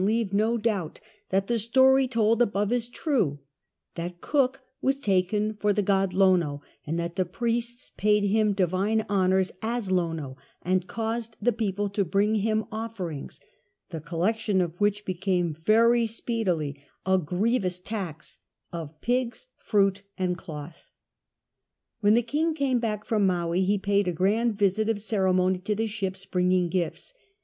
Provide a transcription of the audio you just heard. avc no doubt, that the story told above is true ; that Cook was taken for the god Lono, and that the priests jiaid him <livine honours as Lono, and caused the people to bring him offerings — the collection of M ^hich became very speedily a giievous tax — of iiigs, fruit, and cloth. When the king came lack from Maui he }»aid a grind visit of ceremony to the ships, bringing gifts.